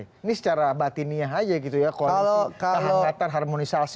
ini secara batinnya aja gitu ya koalisi